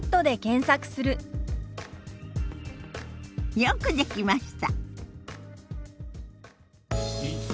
よくできました。